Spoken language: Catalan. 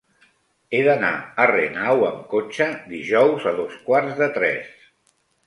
He d'anar a Renau amb cotxe dijous a dos quarts de tres.